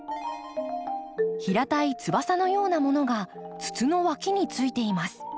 平たい翼のようなものが筒のわきについています。